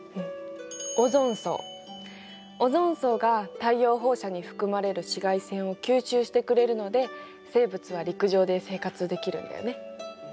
うんオゾン層が太陽放射に含まれる紫外線を吸収してくれるので生物は陸上で生活できるんだよね。